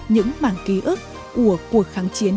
những bảng ký ức của cuộc kháng chiến